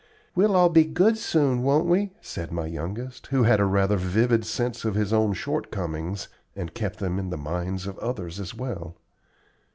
"We'll all be good soon, won't we?" said my youngest, who had a rather vivid sense of his own shortcomings, and kept them in the minds of others as well.